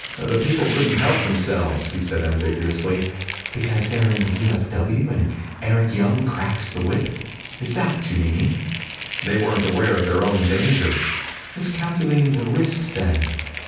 "The people couldn't help themselves," he said ambiguously. "Because they're in the U.F.W. and Eric Young cracks the whip. Is that what you mean?" "They weren't aware of their own danger." "Miscalculating the risks then?